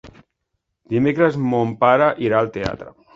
Dimecres mon pare irà al teatre.